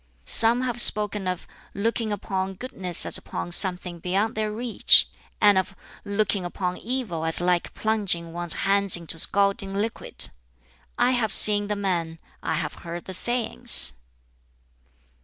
"Some have spoken of 'looking upon goodness as upon something beyond their reach,' and of 'looking upon evil as like plunging one's hands into scalding liquid'; I have seen the men, I have heard the sayings.